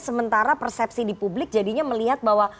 sementara persepsi di publik jadinya melihat bahwa